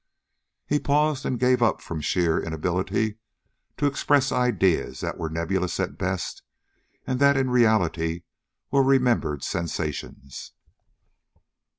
.." He paused and gave up from sheer inability to express ideas that were nebulous at best and that in reality were remembered sensations.